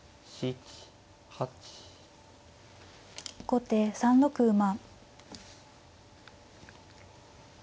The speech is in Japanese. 後手３六馬。